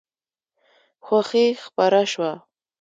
خوښي خپره شوه.